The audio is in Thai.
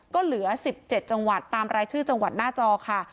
ก็เหลือ๑๗จังหวัดตามรายชื่อจังหวัดหน้าจอค่ะ